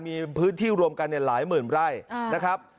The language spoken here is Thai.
มีพื้นที่รวมกันหลายหมื่นไร่นะครับ